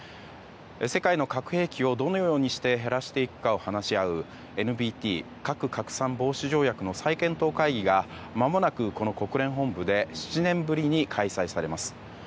世界の核兵器をどのようにして減らしていくかを話し合うＮＰＴ・核拡散防止条約の再検討会議がまもなく、この国連本部で７年ぶりに開催されます。